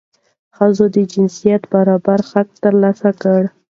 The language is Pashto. ښځو د جنسیتي برابرۍ حق ترلاسه کړ.